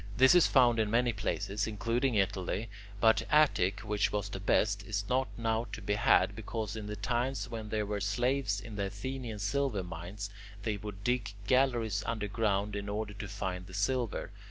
This is found in many places, including Italy, but Attic, which was the best, is not now to be had because in the times when there were slaves in the Athenian silver mines, they would dig galleries underground in order to find the silver.